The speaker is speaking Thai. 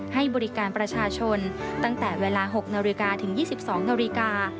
ให้บริการประชาชนตั้งแต่เวลา๖นาฬิกาถึง๒๒นาฬิกา